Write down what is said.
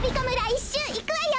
１しゅういくわよ！